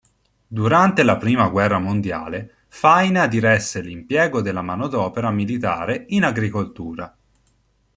Durante la prima guerra mondiale, Faina diresse l'impiego della manodopera militare in agricoltura.